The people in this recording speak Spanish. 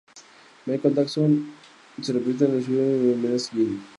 Michael Dawson se precipita a su ayuda y amenaza a Jin.